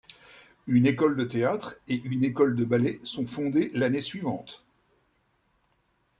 Une école de théâtre et une école de ballet sont fondées l'année suivante.